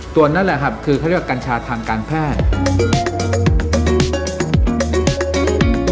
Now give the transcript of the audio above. ตัวนั่นเลยคือกัญชาทางการแพทย์